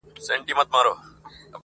د ښایستونو خدایه سر ټیټول تاته نه وه~